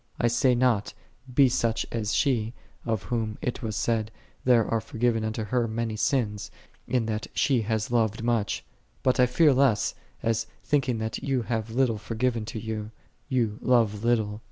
6 I say not, Be thou such as she, of whom it was said, "There are forgiven unto her many sins, in that she hath loved much; "^ but I fear lest, as thinking that thou hast little forgiven to thee, thou love little.